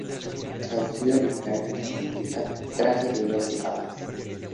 Traducido literalmente significa "traje de doce capas".